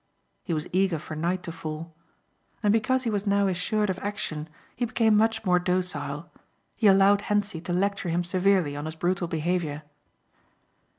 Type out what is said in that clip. He was eager for night to fall. And because he was now assured of action he became much more docile. He allowed Hentzi to lecture him severely on his brutal behaviour.